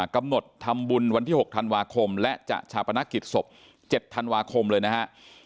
กำหนดทำบุญวันที่๖ธันวาคมและจะชาปนกิจศพ๗ธันวาคมเลยนะฮะ